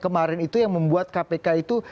kemarin itu yang membuat kpk itu